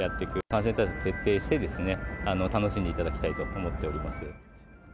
感染対策を徹底して、楽しんでいただきたいと思っております。